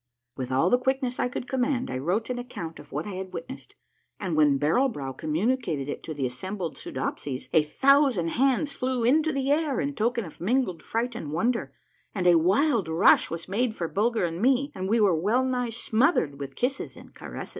With all the quickness I could command, 1 wrote an account of what I had witnessed, and when Barrel Brow communicated it to the assembled Soodopsies, a thousand hands flew into the air, in token of mingled fright and wonder, and a wild rush was made for Bulger and me, and we were well nigh smothered with kisses and caresses.